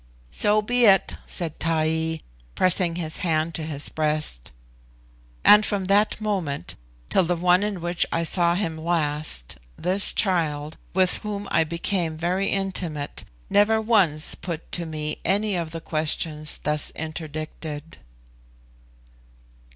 "So be it," said Taee, pressing his hand to his breast; and from that moment, till the one in which I saw him last, this child, with whom I became very intimate, never once put to me any of the questions thus interdicted.